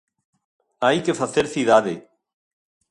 Hai que facer cidade.